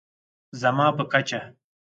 زما په کچه